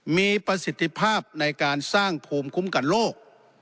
มีประสิทธิภาพในการสร้างภูมิคุ้มกันโลก